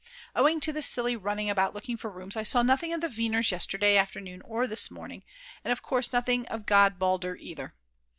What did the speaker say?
Owing to this silly running about looking for rooms I saw nothing of the Weiners yesterday afternoon or this morning, and of course nothing of God Balder either.